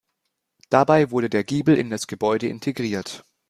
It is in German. Dabei wurde der Giebel in das Gebäude integriert.